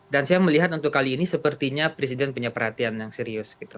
dan saya melihat untuk kali ini sepertinya presiden punya perhatian yang serius gitu